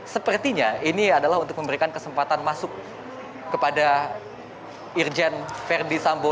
sepertinya ini adalah untuk memberikan kesempatan masuk kepada irjen verdi sambo